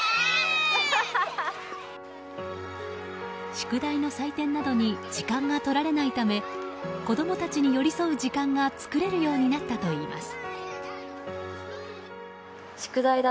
宿題の採点などに時間が取られないため子供たちに寄り添う時間が作れるようになったといいます。